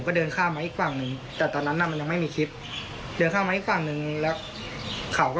ผมก็เดินกลับไปและทีนี้ก็ตบแฟนผมอีกลุมเลย